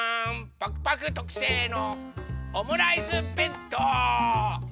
パクパクとくせいのオムライスべんとう！